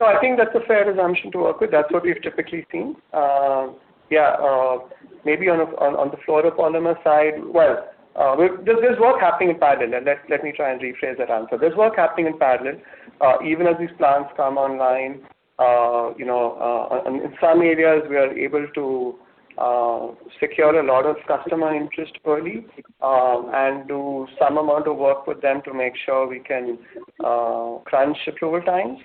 F: No, I think that's a fair assumption to work with. That's what we've typically seen. Maybe on the fluoropolymer side, well, there's work happening in parallel. Let me try and rephrase that answer. There's work happening in parallel, even as these plants come online. You know, in some areas we are able to secure a lot of customer interest early, and do some amount of work with them to make sure we can crunch approval times.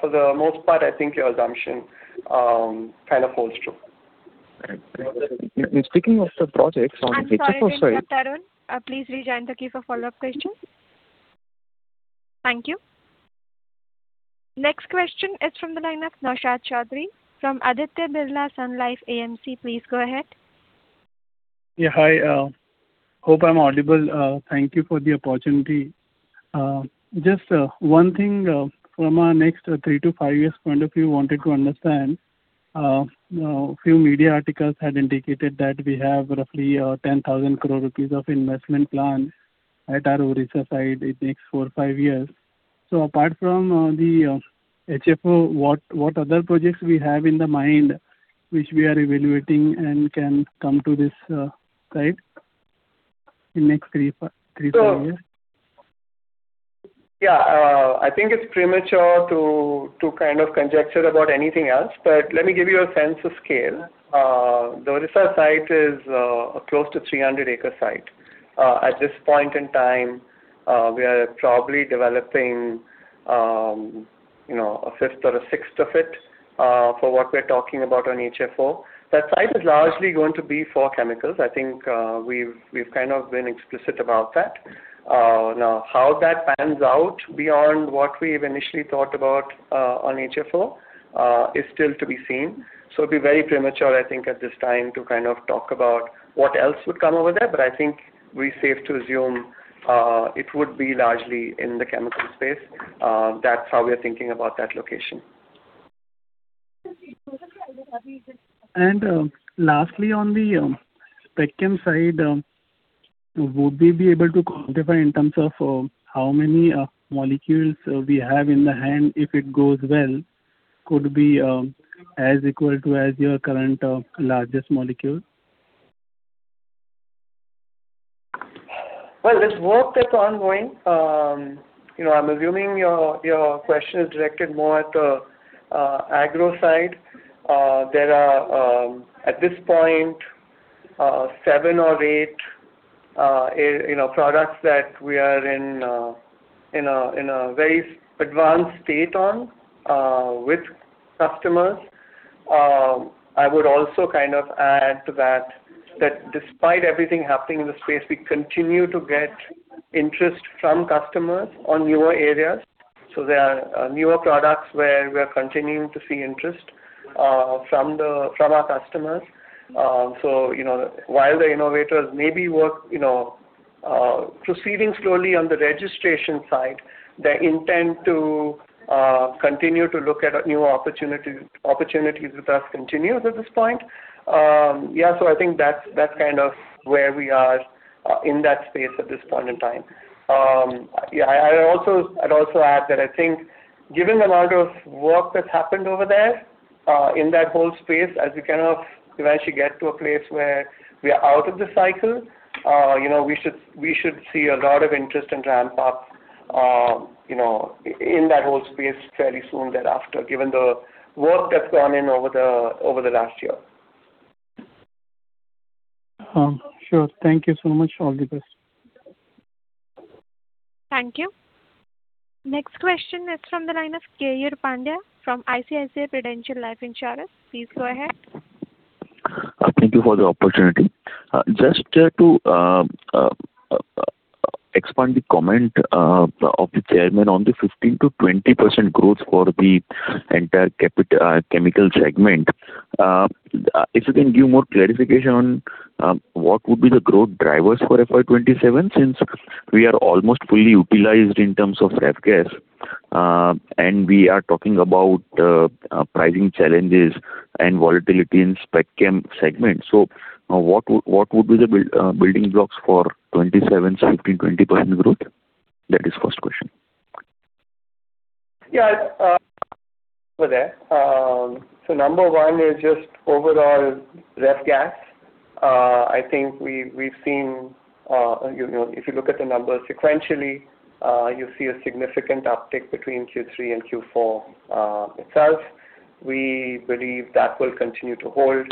F: For the most part, I think your assumption kind of holds true.
I: Right. Speaking of the projects on HFO side.
A: I'm sorry to interrupt, Arun. Please rejoin the queue for follow-up questions. Thank you. Next question is from the line of Naushad Chaudhary from Aditya Birla Sun Life AMC. Please go ahead.
J: Hi. Hope I'm audible. Thank you for the opportunity. Just one thing, from our next three to five years point of view, I wanted to understand. Few media articles had indicated that we have roughly 10,000 crore rupees of investment plan at our Odisha site in next four, five years. So apart from the HFO, what other projects we have in the mind which we are evaluating and can come to this site in next three to five years?
F: Yeah, I think it's premature to kind of conjecture about anything else, but let me give you a sense of scale. The Odisha site is a close to 300 acre site. At this point in time, we are probably developing, you know, a fifth or a sixth of it for what we're talking about on HFO. That site is largely going to be for chemicals. I think we've kind of been explicit about that. Now, how that pans out beyond what we've initially thought about on HFO is still to be seen. It'd be very premature, I think, at this time to kind of talk about what else would come over there. I think we're safe to assume it would be largely in the chemical space. That's how we're thinking about that location.
J: Lastly, on the Specialty Chemicals side, would we be able to quantify in terms of how many molecules we have in the hand? If it goes well, could be as equal to as your current largest molecule?
F: Well, there's work that's ongoing. You know, I'm assuming your question is directed more at the agro side. There are, at this point, seven or eight, you know, products that we are in a very advanced state on with customers. I would also kind of add to that, despite everything happening in the space, we continue to get interest from customers on newer areas. There are newer products where we are continuing to see interest from our customers. You know, while the innovators maybe work, you know, proceeding slowly on the registration side, their intent to continue to look at new opportunities with us continues at this point. Yeah, I think that's kind of where we are in that space at this point in time. Yeah, I'd also add that I think given the amount of work that's happened over there, in that whole space, as we kind of eventually get to a place where we are out of the cycle, you know, we should see a lot of interest and ramp up, you know, in that whole space fairly soon thereafter, given the work that's gone in over the last year.
J: Sure. Thank you so much. All the best.
A: Thank you. Next question is from the line of Keyur Pandya from ICICI Prudential Life Insurance. Please go ahead.
K: Thank you for the opportunity. Just to expand the comment of the Chairman on the 15%-20% growth for the entire chemical segment. If you can give more clarification on what would be the growth drivers for FY 2027, since we are almost fully utilized in terms of ref gas, and we are talking about pricing challenges and volatility in Specialty Chemicals segment. What would be the building blocks for 27's 15%-20% growth? That is first question.
F: Over there. So number one is just overall ref gas. I think we've seen, you know, if you look at the numbers sequentially, you see a significant uptick between Q3 and Q4 itself. We believe that will continue to hold.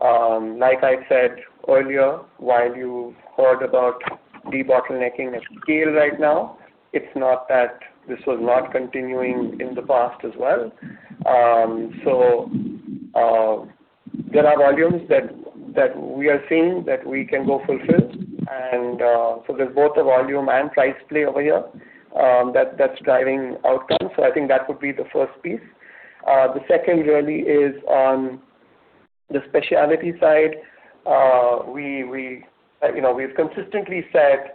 F: Like I said earlier, while you've heard about debottlenecking at scale right now, it's not that this was not continuing in the past as well. There are volumes that we are seeing that we can go fulfill and there's both a volume and price play over here that's driving outcomes. I think that would be the first piece. The second really is on the Specialty side. We, you know, we've consistently said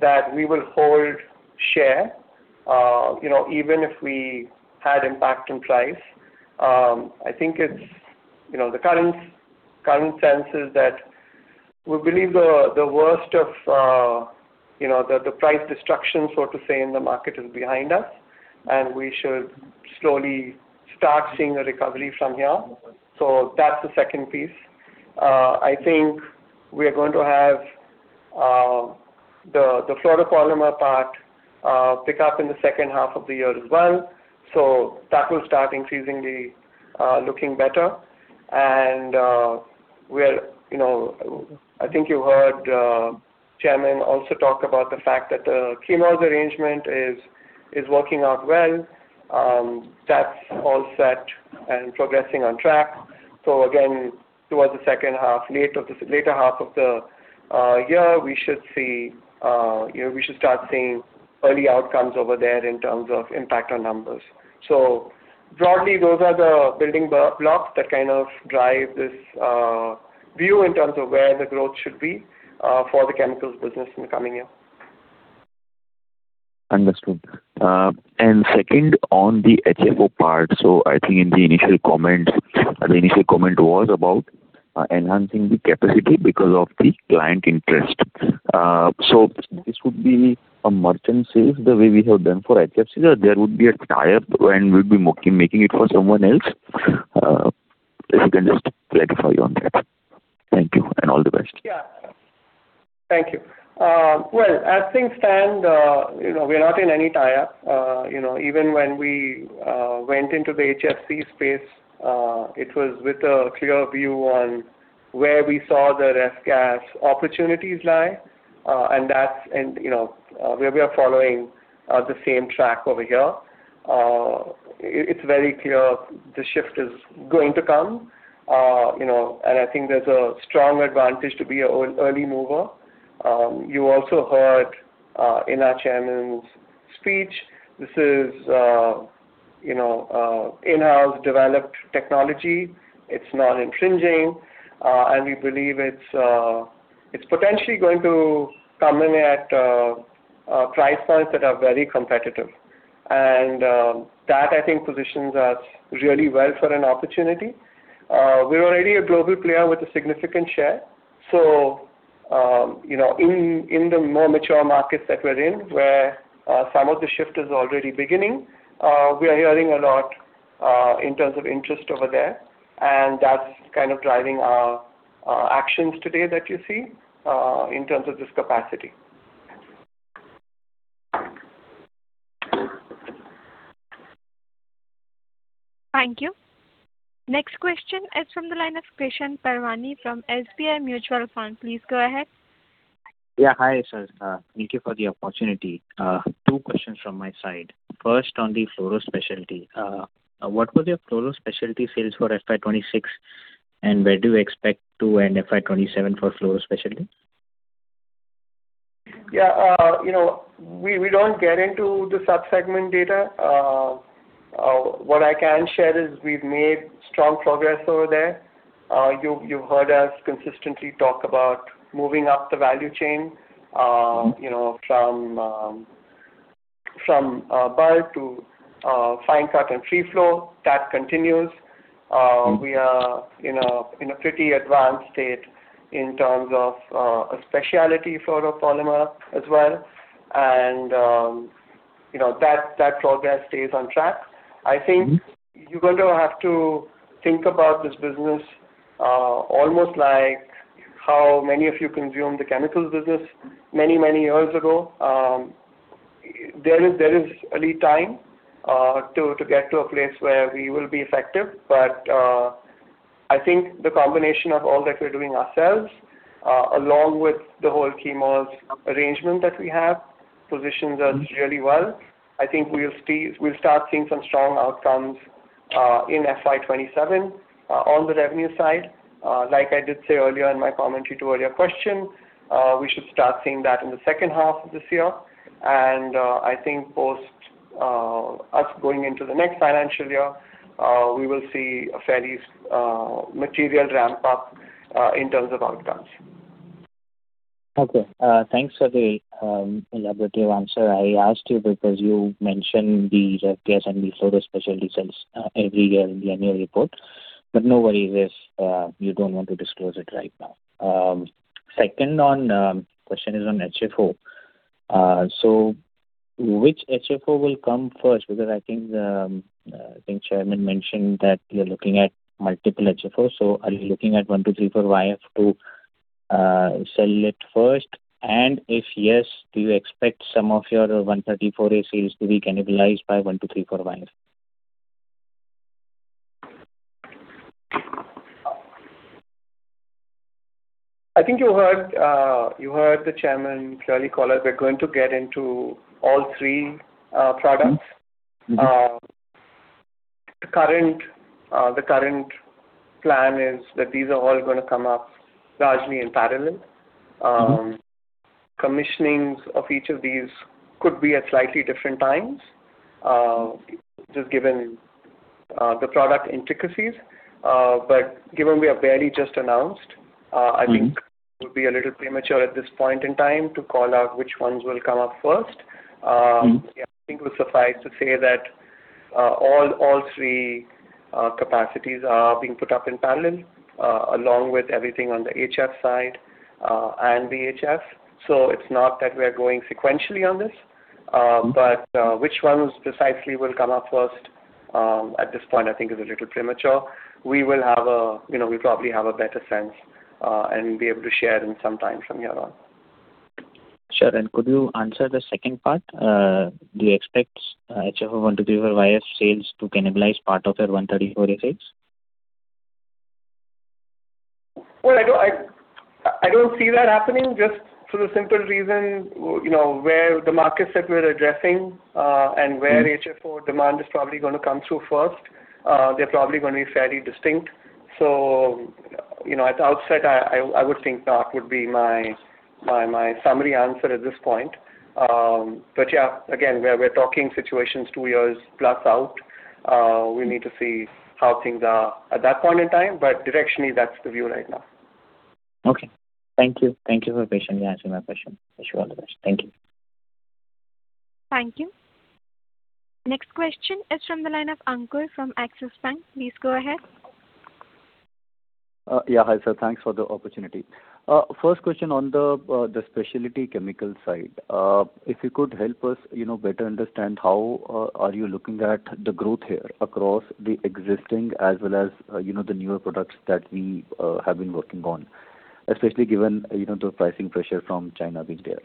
F: that we will hold share, you know, even if we had impact in price. I think it's the current sense is that we believe the worst of the price destruction, so to say, in the market is behind us, and we should slowly start seeing a recovery from here. That's the second piece. I think we are going to have the fluoropolymer part pick up in the second half of the year as well, so that will start increasingly looking better. We are, I think, you heard Chairman also talk about the fact that the Chemours arrangement is working out well. That's all set and progressing on track. Again, towards the second half, later half of the year, we should see we should start seeing early outcomes over there in terms of impact on numbers. Broadly, those are the building blocks that kind of drive this view in terms of where the growth should be for the chemicals business in the coming year.
K: Understood. Second, on the HFO part, I think in the initial comment, the initial comment was about enhancing the capacity because of the client interest. This would be a merchant sales, the way we have done for HFC, or there would be a tie-up, and we'll be making it for someone else? If you can just clarify on that. Thank you, and all the best.
F: Yeah. Thank you. Well, as things stand, you know, we are not in any tie-up. You know, even when we went into the HFC space, it was with a clear view on where we saw the ref gas opportunities lie, and that's and, you know, where we are following the same track over here. It's very clear the shift is going to come, you know, and I think there's a strong advantage to be a early mover. You also heard in our Chairman's speech, this is, you know, in-house developed technology. It's non-infringing, and we believe it's potentially going to come in at price points that are very competitive. That I think positions us really well for an opportunity. We're already a global player with a significant share. You know, in the more mature markets that we're in, where some of the shift is already beginning, we are hearing a lot in terms of interest over there, and that's kind of driving our actions today that you see in terms of this capacity.
K: Thank you.
A: Thank you. Next question is from the line of Krishan Parwani from SBI Mutual Fund. Please go ahead.
L: Yeah. Hi, sir. Thank you for the opportunity. Two questions from my side. First, on the fluoro Specialty. What was your fluoro Specialty sales for FY 2026, and where do you expect to end FY 2027 for fluoro Specialty?
F: Yeah. You know, we don't get into the sub-segment data. What I can share is we've made strong progress over there. You've heard us consistently talk about moving up the value chain. You know, from bulk to fine chemical and free flow. That continues. We are in a pretty advanced state in terms of a specialty fluoropolymer as well. You know that progress stays on track. I think you're going to have to think about this business, almost like how many of you consume the chemicals business many, many years ago. There is a lead time to get to a place where we will be effective. I think the combination of all that we're doing ourselves, along with the whole Chemours arrangement that we have, positions us really well. I think we'll start seeing some strong outcomes in FY 2027 on the revenue side. Like I did say earlier in my commentary to earlier question, we should start seeing that in the second half of this year. I think post us going into the next financial year, we will see a fairly material ramp-up in terms of outcomes.
L: Okay. Thanks for the elaborative answer. I asked you because you mentioned the ref gas and the fluoro specialty sales every year in the annual report. No worries if you don't want to disclose it right now. Second on question is on HFO. Which HFO will come first? Because I think, I think Chairman mentioned that you're looking at multiple HFOs. Are you looking at HFO-1234yf to sell it first? If yes, do you expect some of your R134a sales to be cannibalized by HFO-1234yf?
F: I think you heard the Chairman clearly call it. We're going to get into all three products. The current plan is that these are all gonna come up largely in parallel. Commissionings of each of these could be at slightly different times, just given the product intricacies. Given we have barely just announced, I think it would be a little premature at this point in time to call out which ones will come up first. I think we'll suffice to say that all three capacities are being put up in parallel, along with everything on the HF side and VHF. It's not that we are going sequentially on this, but which ones precisely will come up first, at this point, I think, is a little premature. You know, we probably have a better sense and be able to share in some time from here on.
L: Sure. Could you answer the second part? Do you expect HFO-1234yf sales to cannibalize part of your R-134a sales?
F: Well, I don't see that happening just for the simple reason, you know, where the markets that we're addressing, and where HFO demand is probably gonna come through first. They're probably gonna be fairly distinct. You know, at the outset, I would think that would be my summary answer at this point. Yeah, again, we're talking situations two years plus out. We need to see how things are at that point in time, but directionally, that's the view right now.
L: Okay. Thank you. Thank you for patiently answering my question. Wish you all the best. Thank you.
A: Thank you. Next question is from the line of Ankur from Axis Bank. Please go ahead.
M: Yeah, hi, sir. Thanks for the opportunity. First question on the Specialty Chemicals side. If you could help us, you know, better understand how are you looking at the growth here across the existing as well as, you know, the newer products that we have been working on, especially given, you know, the pricing pressure from China being there?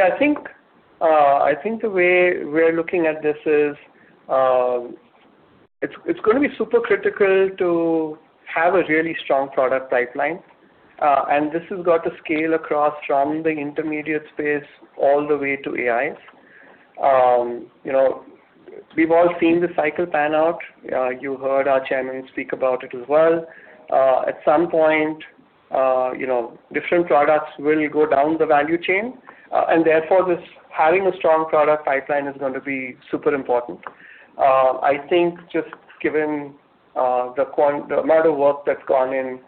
F: I think the way we're looking at this is, it's gonna be super critical to have a really strong product pipeline. This has got to scale across from the intermediate space all the way to AIs. You know, we've all seen the cycle pan out. You heard our Chairman speak about it as well. At some point, you know, different products will go down the value chain, and therefore this, having a strong product pipeline is going to be super important. I think just given the amount of work that's gone in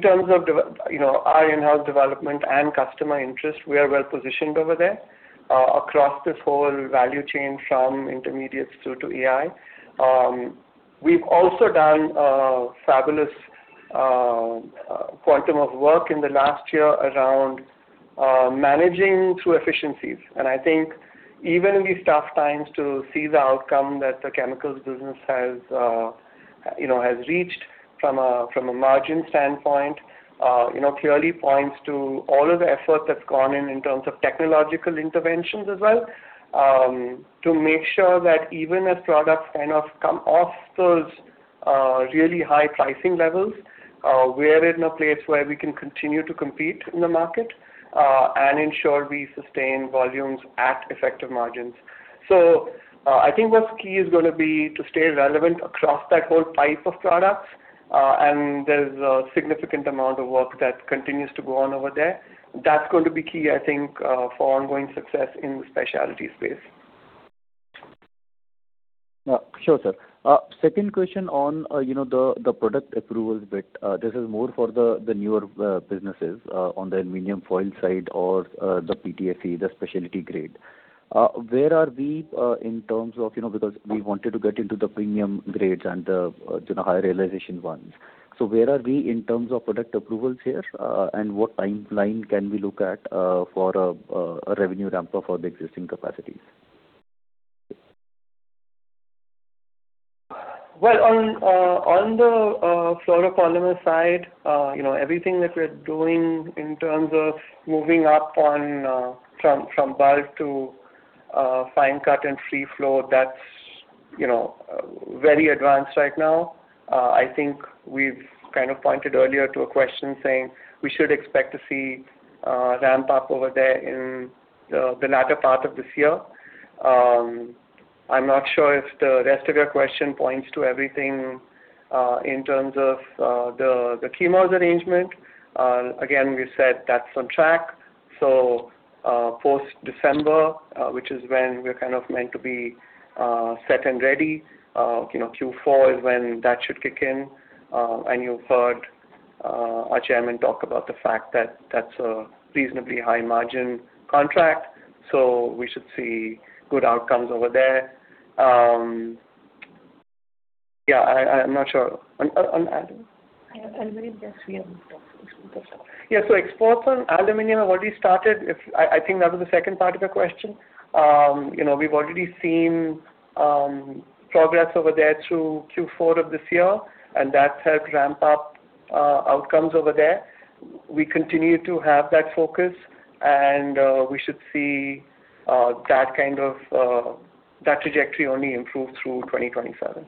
F: terms of you know, our in-house development and customer interest, we are well positioned over there, across this whole value chain from intermediates through to AI. We've also done a fabulous quantum of work in the last year around managing through efficiencies. Even in these tough times to see the outcome that the chemicals business has reached from a margin standpoint, clearly points to all of the effort that's gone in terms of technological interventions as well, to make sure that even as products kind of come off those really high pricing levels, we're in a place where we can continue to compete in the market and ensure we sustain volumes at effective margins. What's key is gonna be to stay relevant across that whole pipe of products. There's a significant amount of work that continues to go on over there. That's going to be key, I think, for ongoing success in the Specialty space.
M: Sure, sir. Second question on, you know, the product approvals bit. This is more for the newer businesses on the aluminum foil side or the PTFE, the specialty grade. Where are we in terms of, you know, because we wanted to get into the premium grades and the, you know, higher realization ones. Where are we in terms of product approvals here, and what timeline can we look at for a revenue ramp-up for the existing capacities?
F: Well, on the fluoropolymer side, you know, everything that we're doing in terms of moving up on from bulk to fine chemical and free flow, that's, you know, very advanced right now. I think we've kind of pointed earlier to a question, saying we should expect to see a ramp-up over there in the latter part of this year. I'm not sure if the rest of your question points to everything in terms of the Chemours arrangement. Again, we said that's on track. Post-December, which is when we're kind of meant to be set and ready, you know, Q4 is when that should kick in. You've heard our Chairman talk about the fact that that's a reasonably high margin contract, so we should see good outcomes over there. Yeah, I'm not sure. On alum-
C: I believe that's we have talked.
F: Yeah. Exports on aluminum have already started. I think that was the second part of your question. You know, we've already seen progress over there through Q4 of this year, and that's helped ramp up outcomes over there. We continue to have that focus, and we should see that kind of that trajectory only improve through 2027.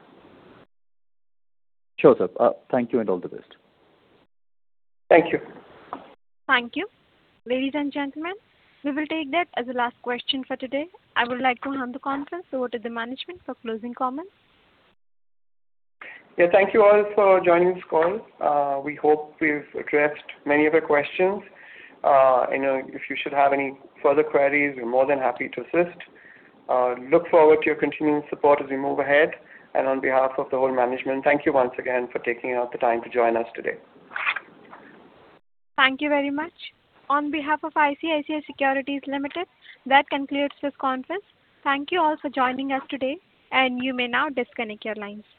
M: Sure, sir. Thank you and all the best.
F: Thank you.
A: Thank you. Ladies and gentlemen, we will take that as the last question for today. I would like to hand the conference over to the management for closing comments.
F: Yeah. Thank you all for joining this call. We hope we've addressed many of your questions. You know, if you should have any further queries, we're more than happy to assist. Look forward to your continuing support as we move ahead. On behalf of the whole management, thank you once again for taking out the time to join us today.
A: Thank you very much. On behalf of ICICI Securities Limited, that concludes this conference. Thank you all for joining us today, and you may now disconnect your lines.